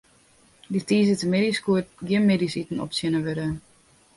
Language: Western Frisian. Dy tiisdeitemiddeis koe der gjin middeisiten optsjinne wurde.